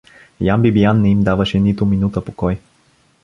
Ян Бибиян не им даваше нито минута покой.